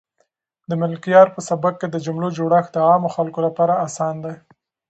د ملکیار په سبک کې د جملو جوړښت د عامو خلکو لپاره اسان دی.